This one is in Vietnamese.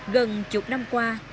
gần chục năm qua